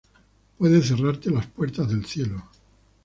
puede cerrarte las puertas del cielo